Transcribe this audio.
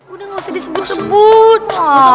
udah ngasih disebut sebut